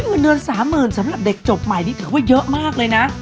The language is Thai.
เงินเดือน๓๐๐๐สำหรับเด็กจบใหม่นี่ถือว่าเยอะมากเลยนะ